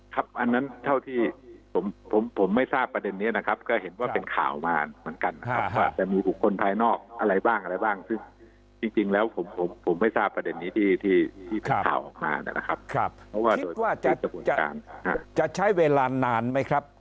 ครับอันนั้นเท่าที่ผมไม่ทราบประเด็นนี้นะครับก็เห็นว่าเป็นข่าวมาเหมือนกันนะครับแต่มีบุคคลภายนอกอะไรบ้างซึ่งจริงแล้วผมไม่ทราบประเด็นนี้ที่ข่าวออกมานะครับ